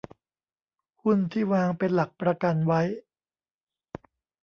หุ้นที่วางเป็นหลักประกันไว้